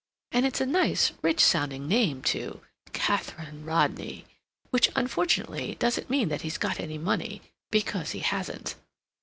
And it's a nice, rich sounding name too—Katharine Rodney, which, unfortunately, doesn't mean that he's got any money, because he hasn't."